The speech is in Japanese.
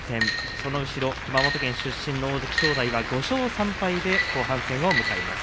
その後ろ、熊本県出身の大関正代が５勝３敗で後半戦を迎えます。